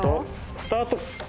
スタート！